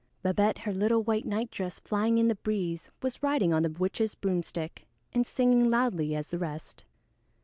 Babette, her little white nightdress flying in the breeze, was riding on the witch's broomstick and singing loudly as the rest.